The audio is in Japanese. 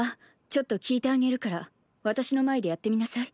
ちょっと聞いてあげるから私の前でやってみなさい。